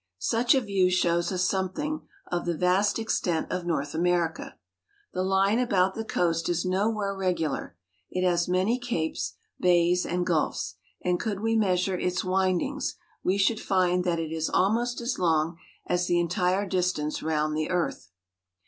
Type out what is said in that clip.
Such a view shows us something of the vast extent of North America. The line about the coast is nowhere reg ular; it has many capes, bays, and gulfs; and could we measure its windings, we should find that it is almost as long as the entire distance round the earth.